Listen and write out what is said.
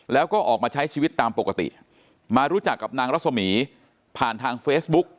แล้วก็ออกมาใช้ชีวิตตามปกติมารู้จักกับนางรัศมีผ่านทางเฟซบุ๊ก